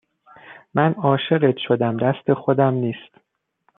من عاشقت شدم دست خودم نیست